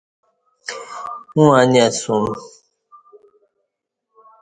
اوں انی اسوم۔